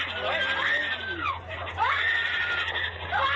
การอื่น